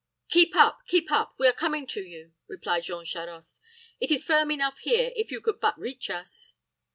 "Keep up, keep up we are coming to you," replied Jean Charost. "It is firm enough here, if you could but reach us."